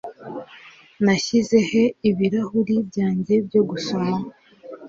Nashyize he ibirahuri byanjye byo gusoma?